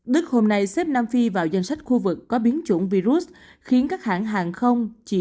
đức hôm nay xếp nam phi vào danh sách khu vực có biến chủng virus khiến các hãng hàng không chỉ